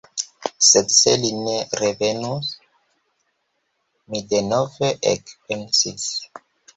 Sed se li ne revenus? Mi denove ekpensis.